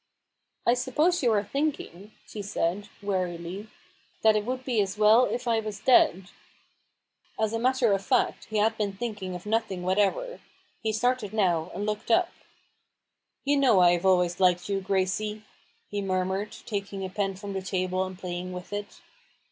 "I suppose you are thinking," she said, 154 A BOOK OF BARGAINS. wearily, "that it would be as well if I was dead," As a matter of fact, he had been thinking of nothing whatever. He started now, and looked up. " You know I have always liked you, Grade," he murmured, taking a pen from the table and playing with it.